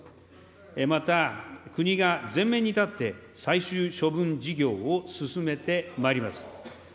また、国が前面に立って、最終処分事業を進めてまいります。